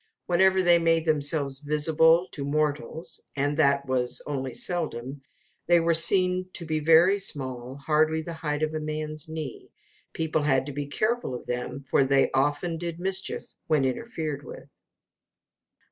Whenever they made themselves visible to mortals and that was only seldom they were seen to be very small, hardly the height of a man's knee. People had to be careful of them, for they often did mischief when interfered with.